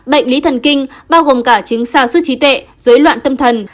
bệnh lý thần kinh bao gồm cả chứng xa suất trí tuệ dối loạn tâm thần